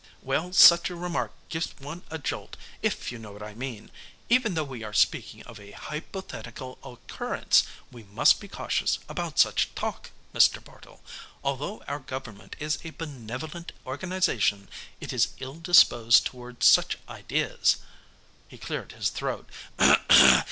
"Well, such a remark gives one a jolt, if you know what I mean. Even though we are speaking of a hypothetical occurrence, we must be cautious about such talk, Mr. Bartle. Although our government is a benevolent organization, it is ill disposed toward such ideas." He cleared his throat.